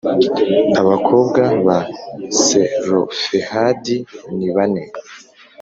abakobwa ba Selofehadi ni bane